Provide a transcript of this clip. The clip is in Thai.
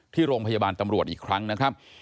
ที่โรงพยาบาลตำรวจอีกครั้งนะครับ